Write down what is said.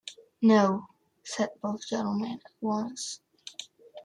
"No," said both gentlemen at once.